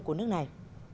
của nước này